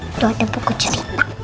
itu ada buku cerita